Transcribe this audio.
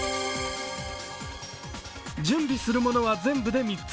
準備するものは全部で３つ。